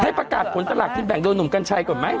ประกาศผลสลากกินแบ่งโดยหนุ่มกัญชัยก่อนไหม